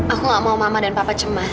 aku gak mau mama dan papa cemas